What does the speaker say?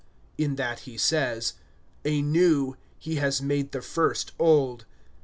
(13)In that he says, A new, he has made the first old.